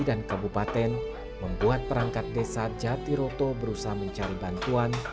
dan kabupaten membuat perangkat desa jatiroto berusaha mencari bantuan